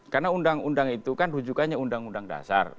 karena undang undang itu kan rujukannya undang undang dasar